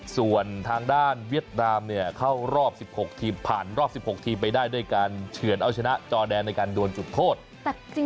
ส่วนทางด้านเวียดนามเนี่ยเข้ารอบ๑๖ทีมผ่านรอบ๑๖ทีมไปได้ด้วยการเฉือนเอาชนะจอแดนในการดวนจุดโทษ